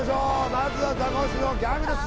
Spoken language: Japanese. まずはザコシのギャグです